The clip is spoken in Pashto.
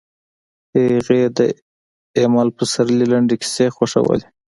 هغې د ایمل پسرلي لنډې کیسې خوښولې